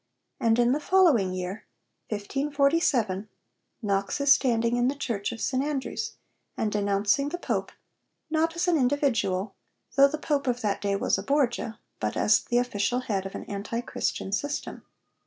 And in the following year, 1547, Knox is standing in the Church of St Andrews, and denouncing the Pope (not as an individual, though the Pope of that day was a Borgia, but) as the official head of an Anti Christian system.